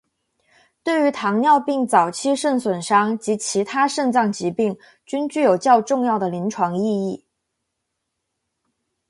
对于糖尿病早期肾损伤及其他肾脏疾病均具有较重要的临床意义。